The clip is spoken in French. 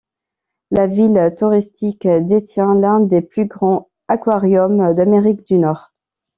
La ville, touristique, détient l'un des plus grands aquariums d'Amérique du Nord.